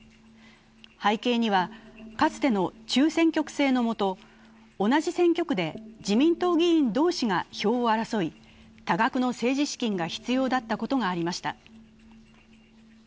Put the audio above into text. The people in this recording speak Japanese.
背景には、かつての中選挙区制のもと同じ選挙区で自民党議員同士が票を争い、多額の政治資金が必要だったことがありました。